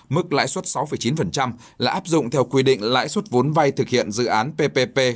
mức lãi suất sáu chín là áp dụng theo quy định lãi suất vốn vay thực hiện dự án ppp